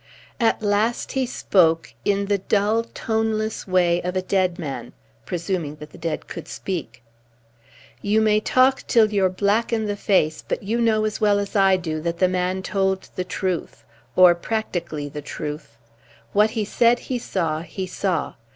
At last he spoke, in the dull, toneless way of a dead man presuming that the dead could speak: "You may talk till you're black in the face, but you know as well as I do that the man told the truth or practically the truth. What he said he saw, he saw.